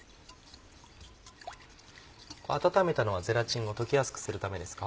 温めたのはゼラチンを溶けやすくするためですか？